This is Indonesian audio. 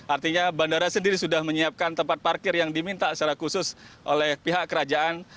artinya bandara sendiri sudah menyiapkan tempat parkir yang diminta secara khusus oleh pihak kerajaan